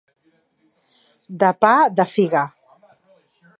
De pa de figa.